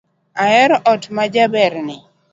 Ahero ot ma jaberni.